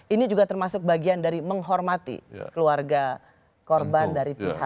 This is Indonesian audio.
ini juga termasuk bagian dari menghormati keluarga korban dari pihak